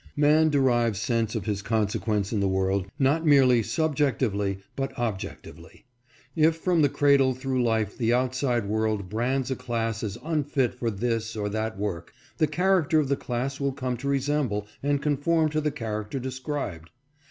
Man derives a sense of his consequence in the world not merely subjectively, but objectively. If from the cradle through life the outside world brands a class as unfit for this or that work, the character of the class will come to resemble and conform to the character described.